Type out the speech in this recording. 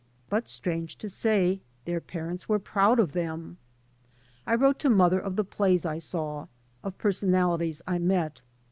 But strange to say — their parents were proud of them I I wrote to mother of the plays I saw, of per sonalities I met.